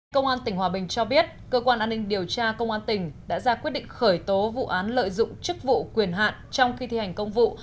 công an tỉnh hòa bình cho biết cơ quan an ninh điều tra công an tỉnh đã ra quyết định khởi tố vụ án lợi dụng chức vụ quyền hạn trong khi thi hành công vụ